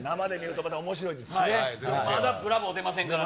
まだブラボー出ませんからね。